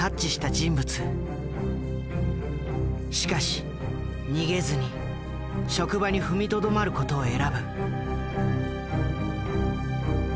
しかし逃げずに職場に踏みとどまる事を選ぶ。